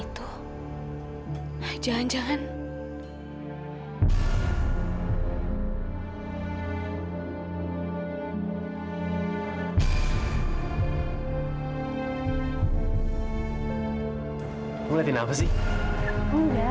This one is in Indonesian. kayaknya spesial banget sih gelangnya